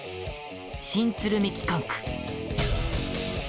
新鶴見機関区。